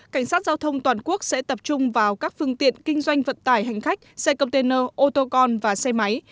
cảnh sát giao thông toàn quốc sẽ tập trung vào các phương tiện kinh doanh vận tải hành khách xe container ô tô con và xe máy